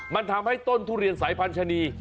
มันทำให้ต้นทุเรียนสายพันธนี